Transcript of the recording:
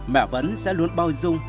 mẹ vẫn sẽ luôn bao dung